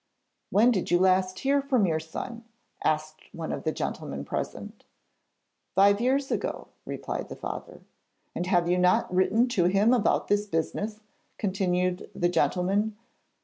'When did you last hear from your son?' asked one of the gentlemen present. 'Five years ago,' replied the father. 'And have you not written to him about this business?' continued the gentleman.